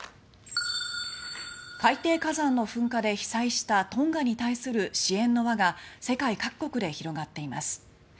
海底火山の噴火で被災したトンガに対する支援の輪が世界各国で広がっています。